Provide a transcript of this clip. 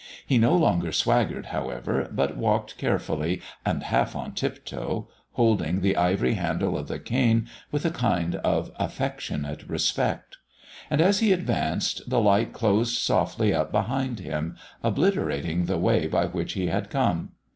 He no longer swaggered, however, but walked carefully, and half on tiptoe, holding the ivory handle of the cane with a kind of affectionate respect. And as he advanced, the light closed softly up behind him, obliterating the way by which he had come.